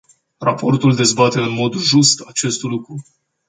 Raportul dezbate în mod just acest lucru.